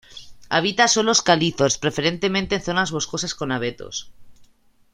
Habita suelos calizos, preferentemente en zonas boscosas con abetos.